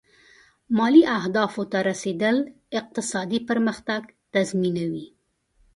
مالي اهدافو ته رسېدل اقتصادي پرمختګ تضمینوي.